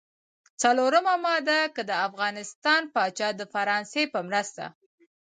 څلورمه ماده: که د افغانستان پاچا د فرانسې په مرسته.